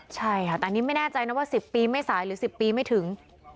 ใช่ค่ะแต่อันนี้ไม่แน่ใจนะว่า๑๐ปีไม่สายหรือ๑๐ปีไม่ถึง